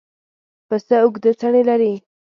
پسه اوږده څڼې لري.